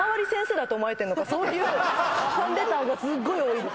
何かのかそういうファンレターがすごい多いです